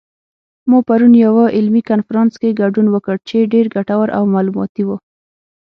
ما پرون یوه علمي کنفرانس کې ګډون وکړ چې ډېر ګټور او معلوماتي و